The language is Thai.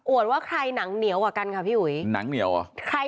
อวดว่าใครหนังเหนียวกว่ากันค่ะพี่หวย